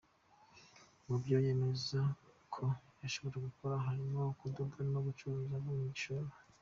Mu byo yemeza ko yashobora gukora harimo kudoda no gucuruza abonye igishoro.